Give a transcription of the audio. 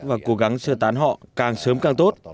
và cố gắng sơ tán họ càng sớm càng tốt